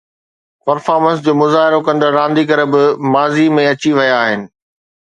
Performance جو مظاهرو ڪندڙ رانديگر به ماضي ۾ اچي ويا آهن.